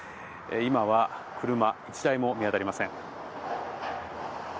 今は車、１台も見当たりません。